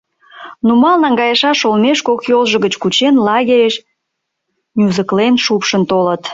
Нумал наҥгайышаш олмеш, кок йолжо гыч кучен, лагерьыш нюзыклен шупшын толыт.